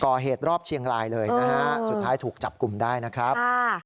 ก่อเหตุรอบเชียงรายเลยนะฮะสุดท้ายถูกจับกลุ่มได้นะครับ